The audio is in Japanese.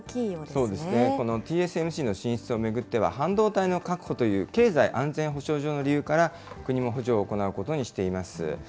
そうですね、このＴＳＭＣの進出を巡っては、半導体の確保という、経済安全保障上の理由から、国も補助を行うことにしています。